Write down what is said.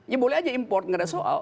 ya boleh aja import nggak ada soal